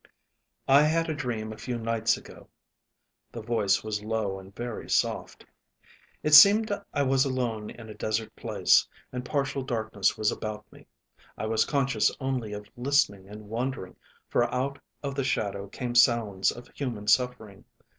"I had a dream a few nights ago." The voice was low and very soft. "It seemed I was alone in a desert place, and partial darkness was about me. I was conscious only of listening and wondering, for out of the shadow came sounds of human suffering.